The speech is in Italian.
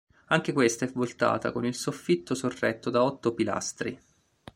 Anche questa è voltata con il soffitto sorretto da otto pilastri.